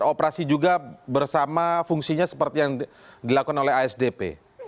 operasi juga bersama fungsinya seperti yang dilakukan oleh asdp